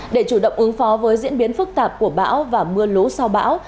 để chủ động ứng phó với diễn biến phức tạp của bão và mưa lũ sau bão